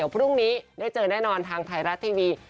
พรุ่งนี้ได้เจอแน่นอนทางไทยรัฐทีวี